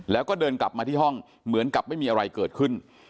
แล้วก็เดินกลับมาที่ห้องเหมือนกับไม่มีอะไรเกิดขึ้น